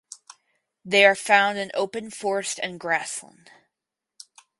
They are found in open forest and grassland.